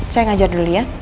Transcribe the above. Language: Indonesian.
saya ngajar dulu ya